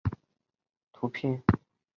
安氏河马长颌鱼的图片